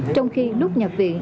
trong khi lúc nhập viện